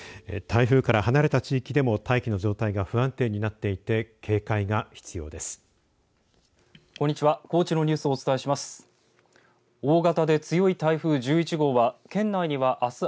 台風から離れた地域でも大気の状態が不安定になっていて警戒が必要です。